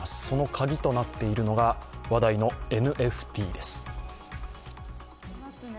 そのカギとなっているのが話題のＮＦＴです。